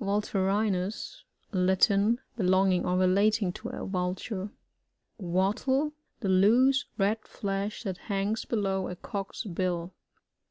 VuLTDRiNUs.— Latin. Belonging or relating to a Vulture. Wattle — The loose, red flesh that hangs below a Cock*s bill.